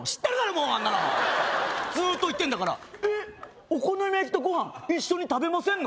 もうあんなのずっと言ってんだからえっお好み焼きとご飯一緒に食べませんの？